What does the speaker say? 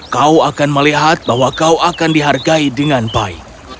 kau akan melihat bahwa kau akan dihargai dengan baik